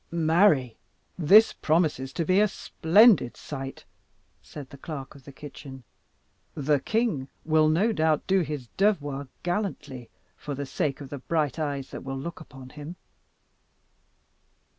"Marry, this promises to be a splendid sight!" said the clerk of the kitchen; "the king will, no doubt, do his devoir gallantly for the sake of the bright eyes that will look upon him."